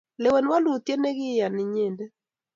lewen wolutie ne keyan inyete